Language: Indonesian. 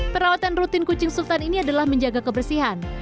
perawatan rutin kucing sultan ini adalah menjaga kebersihan